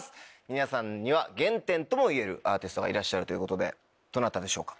皆さんには原点ともいえるアーティストがいらっしゃるということでどなたでしょうか？